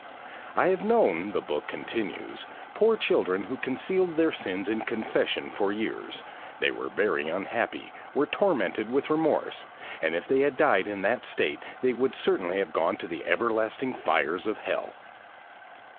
"'I have known,' the book continues, 'poor children who concealed their sins in confession for years; they were very unhappy, were tormented with remorse, and if they had died in that state they would certainly have gone to the everlasting fires of hell.